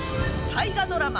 大河ドラマ